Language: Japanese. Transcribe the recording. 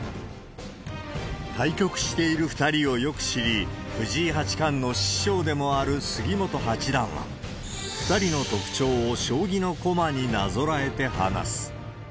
対局している２人をよく知り、藤井八冠の師匠でもある杉本八段は、２人の特徴を将棋の駒になぞらえて話す。